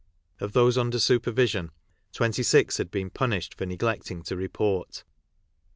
Of those under supervision 26 had been punished for neglecting to report.